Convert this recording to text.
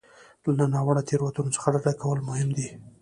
له ناوړه تېروتنو څخه ډډه کول مهم دي.